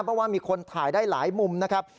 เพราะว่ามีคนถ่ายได้หลายมุมนะครับ